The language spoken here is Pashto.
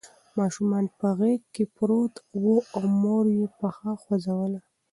ماشوم په غېږ کې پروت و او مور یې پښه خوځوله.